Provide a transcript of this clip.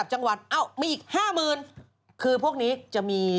สวัสดีค่าข้าวใส่ไข่